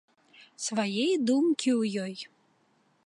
Свае і думкі ў ёй.